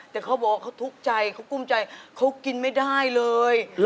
แต่เขาบอกว่าเขาทุกข์ใจเขากุ้มใจเขากินไม่ได้เลย